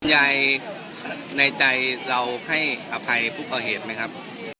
ยายในใจเราให้อภัยผู้ก่อเหตุไหมครับ